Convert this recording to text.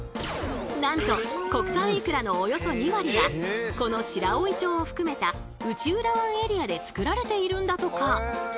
なんと国産いくらのおよそ２割がこの白老町を含めた内浦湾エリアで作られているんだとか。